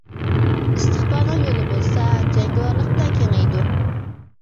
ئىستىقبالنىڭ يولى بولسا، جەڭگىۋارلىق بىلەن كېڭىيىدۇ.